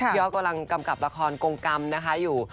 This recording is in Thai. พี่อ๊อฟกำกับละครกงกรรมนะคะอยู่